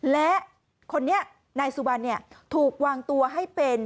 และคนนี้นายสุบันถูกวางตัวให้เป็น